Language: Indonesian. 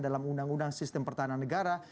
dalam undang undang sistem pertahanan negara